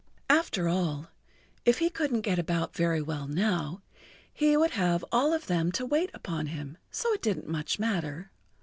After all, if he couldn't get about very well now, he would have all of them to wait upon him, so it didn't much matter.